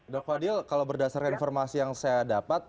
dapak dil kalau berdasarkan informasi yang saya dapat